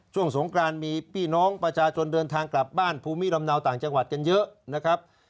สงกรานมีพี่น้องประชาชนเดินทางกลับบ้านภูมิลำเนาต่างจังหวัดกันเยอะนะครับ